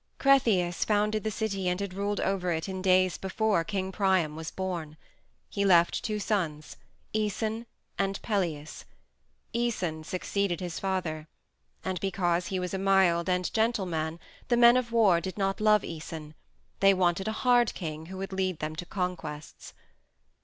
Cretheus founded the city and had ruled over it in days before King Priam was born. He left two sons, Æson and Pelias. Æson succeeded his father. And because he was a mild and gentle man, the men of war did not love Æson; they wanted a hard king who would lead them to conquests.